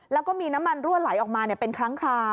แล้วก็มีน้ำมันรั่วไหลออกมาเป็นครั้งคราว